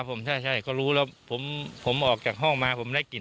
ผมใช่เขารู้แล้วผมออกจากห้องมาผมได้กลิ่น